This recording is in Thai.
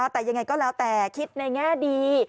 แต่ยังไงก็แล้วแต่คิดในแง่ดี